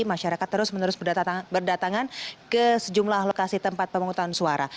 masyarakat terus menerus berdatangan ke sejumlah lokasi tempat pemungutan suara